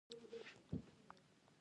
د وینوس ماموریتونه تودوخه ثبت کړې.